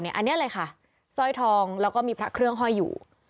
อันนี้เลยค่ะสร้อยทองแล้วก็มีพระเครื่องห้อยอยู่